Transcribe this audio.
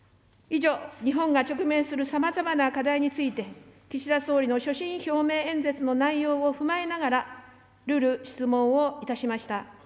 以上、日本が直面するさまざまな課題について、岸田総理の所信表明演説の内容を踏まえながら、縷々質問をいたしました。